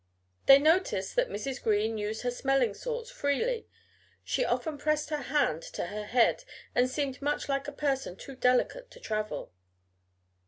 They noticed that Mrs. Green used her smelling salts freely, she often pressed her hand to her head, and seemed much like a person too delicate to travel.